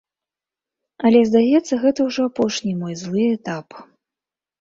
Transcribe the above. Але здаецца, гэта ўжо апошні мой злы этап.